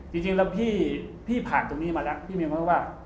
จริงแล้วพี่ผ่านตรงนี้มาแล้วพี่มีไหมว่า